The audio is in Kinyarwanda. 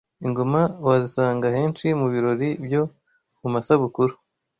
Ingoma wazisanga henshi mu birori byo mu masabukuru